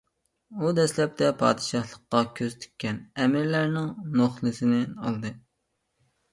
ئۇ دەسلەپتە پادىشاھلىققا كۆز تىككەن ئەمىرلەرنىڭ نوخلىسىنى ئالدى.